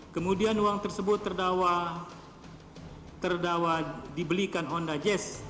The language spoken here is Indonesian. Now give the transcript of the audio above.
kemudian uang tersebut terdakwa dibelikan honda jazz